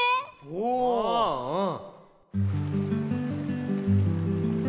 おおうん。